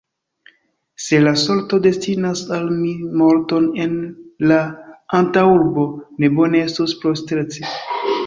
Se la sorto destinas al mi morton en la antaŭurbo, ne bone estus postresti.